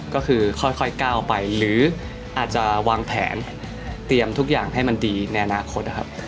ก็คือค่อยก้าวไปหรืออาจจะวางแผนเตรียมทุกอย่างให้มันดีในอนาคตนะครับ